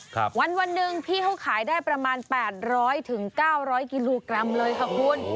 วันวันหนึ่งพี่เขาขายได้ประมาณแปดร้อยถึงเก้าร้อยกิโลกรัมเลยค่ะคุณ